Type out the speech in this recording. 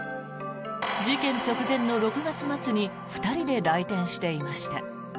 事件直前の６月末に２人で来店していました。